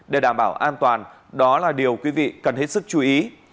để đảm bảo an toàn đó là điều quý vị cần hết sức chú ý